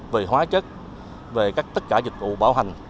về hóa chất về tất cả dịch vụ bảo hành